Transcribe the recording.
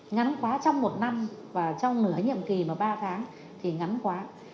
ngắn quá trong một năm và trong nửa nhiệm kỳ mà ba tháng thì ngắn quá